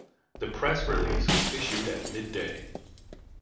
The press release was issued at midday.